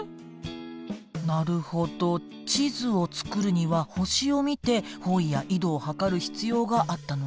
なるほど地図を作るには星を見て方位や緯度を測る必要があったのね。